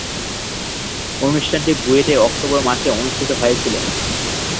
অনুষ্ঠানটি বুয়েটে অক্টোবর মাসে অনুষ্ঠিত হয়েছিলো।